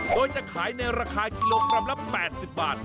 โดยจะขายในราคากิโลกรัมละ๘๐บาท